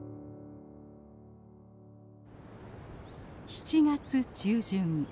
７月中旬。